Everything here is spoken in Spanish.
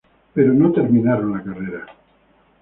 Pero no terminaron la carrera.